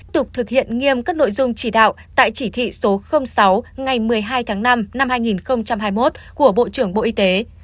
tục thực hiện nghiêm các nội dung chỉ đạo tại chỉ thị số sáu ngày một mươi hai tháng năm năm hai nghìn hai mươi một của bộ trưởng bộ y tế